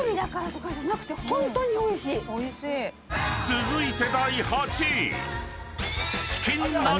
［続いて］